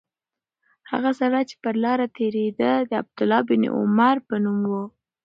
هغه سړی چې پر لاره تېرېده د عبدالله بن عمر په نوم و.